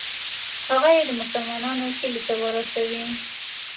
هغه یې د مسلمانانو کلي ته ورسوي.